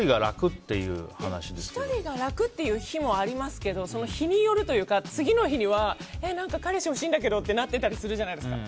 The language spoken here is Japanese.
１人が楽な日もありますけどその日によるというか次の日には彼氏欲しいんだけどってなってたりするじゃないですか。